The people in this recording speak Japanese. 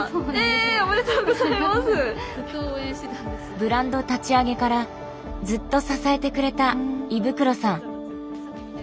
ブランド立ち上げからずっと支えてくれた衣袋さん。